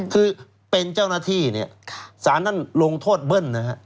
คือเป็นเจ้าหน้าที่ศาลนั้นลงโทษเบิ้ลนะครับ